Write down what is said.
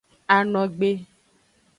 Anogbe.